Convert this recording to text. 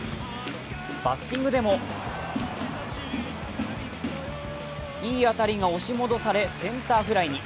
バッティングでもいい当たりが押し戻され、センターフライに。